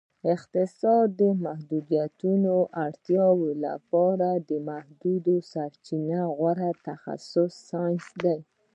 اقتصاد د محدودو اړتیاوو لپاره د محدودو سرچینو غوره تخصیص ساینس دی